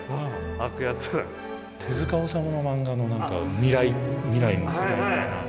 手治虫の漫画の何か未来の世界みたいな。